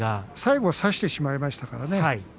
最後差してしまいましたね。